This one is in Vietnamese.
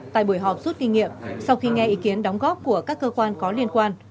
tại buổi họp rút kinh nghiệm sau khi nghe ý kiến đóng góp của các cơ quan có liên quan